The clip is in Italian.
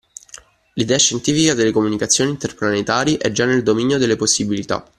L’idea scientifica delle comunicazioni interplanetari è già nel dominio delle possibilità